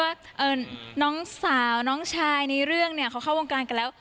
ว่าน้องสาวน้องชายในเรื่องเนี่ยเขาเข้าวงการกันแล้ว